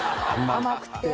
甘くて！